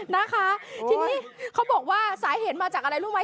นะคะทีนี้เขาบอกว่าสาเหตุมาจากอะไรรู้ไหม